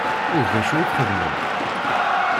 U d acu i txeddmem?